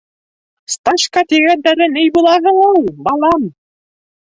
— Сташка тигәндәре ни була һуң ул, балам?